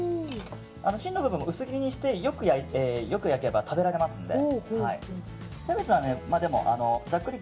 芯の部分も薄切りにして良く焼けば食べられますので。